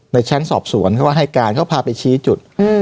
ในชั้นสอบสวนเขาก็ให้การเขาพาไปชี้จุด